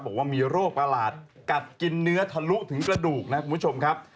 บอกว่ามีโรคประหลาดกัดกินเนื้อทะลุถึงกระดูกนะคุณผู้ชมครับ